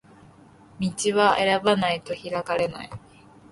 道は選ばないと開かれない